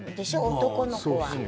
男の子は。